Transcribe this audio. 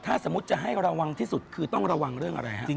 ถ้าสมมุติจะให้ระวังที่สุดคือต้องระวังเรื่องอะไรฮะ